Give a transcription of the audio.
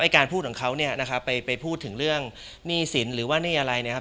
การพูดของเขาเนี่ยนะครับไปพูดถึงเรื่องหนี้สินหรือว่าหนี้อะไรนะครับ